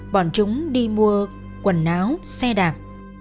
bọn chúng đi mua quần áo xe đạp